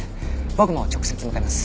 僕も直接向かいます。